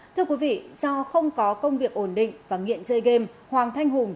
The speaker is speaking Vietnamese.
thưa quý vị do không có công việc ổn định và nghiện chơi game hoàng thanh hùng